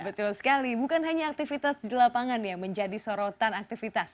betul sekali bukan hanya aktivitas di lapangan yang menjadi sorotan aktivitas